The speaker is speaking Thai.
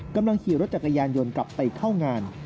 กำลังขี่รถจักรยานยนต์กลับไปเข้างาน